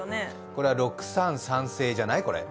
これは６３３制じゃない？